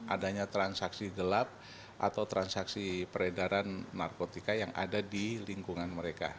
adanya transaksi gelap atau transaksi peredaran narkotika yang ada di lingkungan mereka